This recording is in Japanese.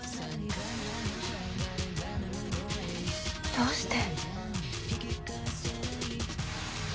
どうして？